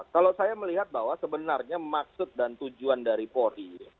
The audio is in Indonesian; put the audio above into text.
kalau saya melihat bahwa sebenarnya maksud dan tujuan dari polri